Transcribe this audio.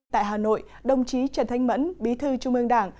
tại hà nội đồng chí trần thanh mẫn bí thư trung ương đảng